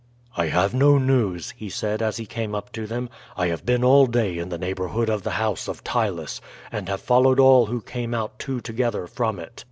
"I have no news," he said as he came up to them. "I have been all day in the neighborhood of the house of Ptylus, and have followed all who came out two together from it.